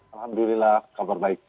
alhamdulillah kabar baik